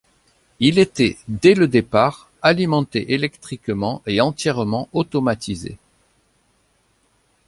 Il était, dès le départ, alimenté électriquement et entièrement automatisé.